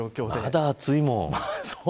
まだ暑いもん。